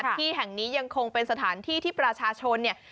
ที่แห่งนี้ยังคงเป็นสถานที่ที่ประชาชนเนี่ย